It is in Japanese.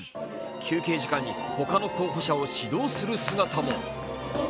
休憩時間にほかのメンバーを指導する姿も。